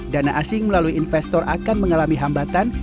dana asing melalui investor akan mengalami hambatan